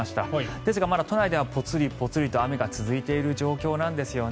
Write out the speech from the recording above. ですが、まだ都内ではポツリポツリと雨が続いている状況なんですね。